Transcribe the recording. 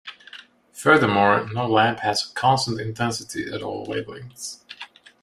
Furthermore, no lamp has a constant intensity at all wavelengths.